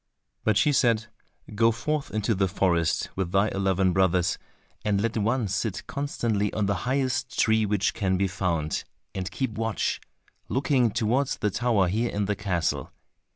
But she said, "Go forth into the forest with thy eleven brothers, and let one sit constantly on the highest tree which can be found, and keep watch, looking towards the tower here in the castle.